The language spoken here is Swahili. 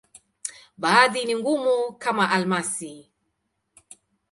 Baadhi ni ngumu, kama almasi.